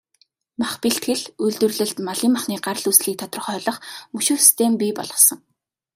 Мах бэлтгэл, үйлдвэрлэлд малын махны гарал үүслийг тодорхойлох, мөшгөх систем бий болгосон.